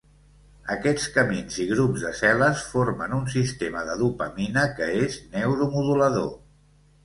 Aquests camins i grups de cel·les formen un sistema de dopamina que és neuromodulador.